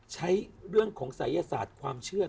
ใช้เรื่องของศัยศาสตร์ความเชื่อ